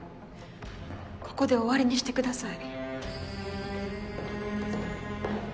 ここで終わりにしてください。